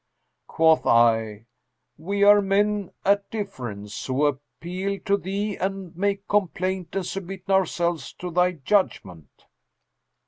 Quoth I, 'We are men at difference, who appeal to thee and make complaint and submit ourselves to thy judgment.'